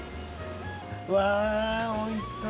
うわ美味しそう！